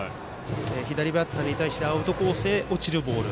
左バッターに対してアウトコースへ落ちるボール。